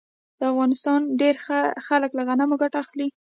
د افغانستان ډیری خلک له غنمو ګټه اخلي.